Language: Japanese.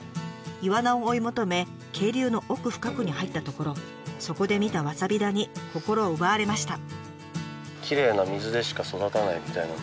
イワナを追い求め渓流の奥深くに入ったところそこで見たわさび田に心を奪われました。